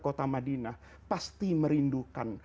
kota madinah pasti merindukan